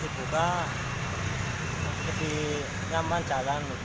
jika kita buka lebih nyaman jalan